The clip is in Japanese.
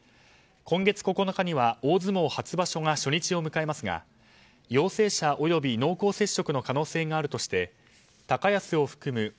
今月９日には大相撲初場所が初日を迎えますが陽性者および濃厚接触の可能性があるとして高安を含む